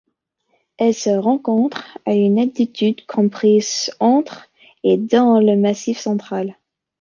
Elle se rencontre à une altitude comprise entre et dans le massif Central.